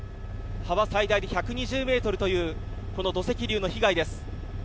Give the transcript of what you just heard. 幅、最大で１２０ｍという土石流の被害です。